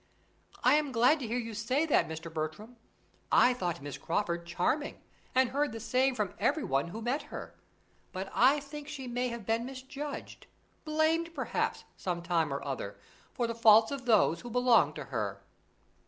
"I am glad to hear you say that, Mr. Bertram. I thought Miss Crawford charming, and I heard the same from everyone who met her; but I think she may have been misjudged blamed, perhaps, some time or other, for the faults of those who belonged to her."